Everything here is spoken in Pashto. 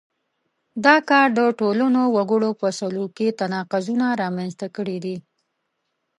دا کار د ټولنو وګړو په سلوک کې تناقضونه رامنځته کړي دي.